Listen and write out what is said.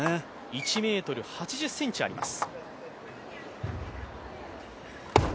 １ｍ８０ｃｍあります。